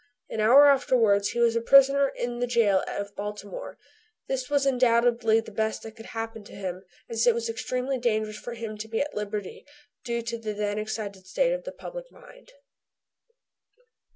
An hour afterwards he was a prisoner in the jail of Baltimore. This was undoubtedly the best that could happen to him, as it was extremely dangerous for him to be at liberty due to the then excited state of the public mind.